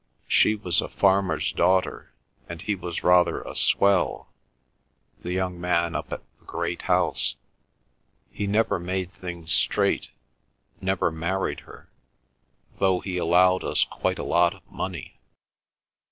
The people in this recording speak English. She was a farmer's daughter, and he was rather a swell—the young man up at the great house. He never made things straight—never married her—though he allowed us quite a lot of money.